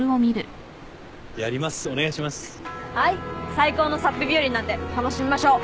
最高のサップ日和なんで楽しみましょう。